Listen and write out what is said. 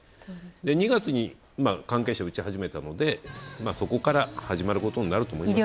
２月に関係者、打ち始めたのでそこから始まることになると思います。